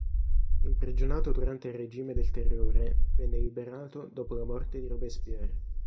Imprigionato durante il regime del Terrore, venne liberato dopo la morte di Robespierre.